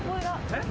えっ？